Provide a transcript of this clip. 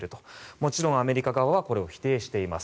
もちろんアメリカ側はこれを否定しています。